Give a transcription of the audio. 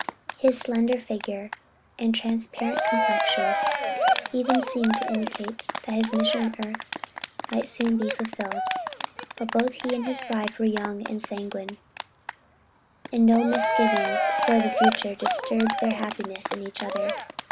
His slender figure, and transparent complexion, even then seemed to indicate that his mission on earth might soon be fulfilled, but both he and his bride were young and sanguine, and no misgivings for the future disturbed their happiness in each other.